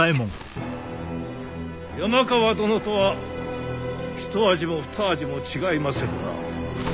山川殿とは一味も二味も違いまするな。